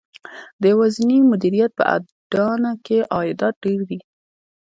د یوازېني مدیریت په اډانه کې عایدات ډېر دي